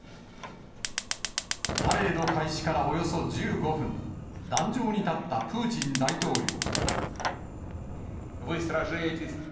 パレード開始からおよそ１５分、壇上に立ったプーチン大統領。